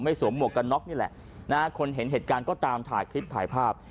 เราถูกจับทำเพราะนี่พ่อเห็นเหตุการณ์ก็ตามถ่ายคลิปถ่ายภาพ